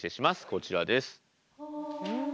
こちらです。